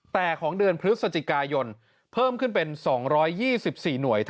แต่ของเดือนพฤศจิกายนเพิ่มขึ้นเป็นสองร้อยยี่สิบสี่หน่วย